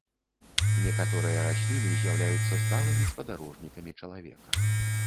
Некаторыя расліны з'яўляюцца сталымі спадарожнікамі чалавека.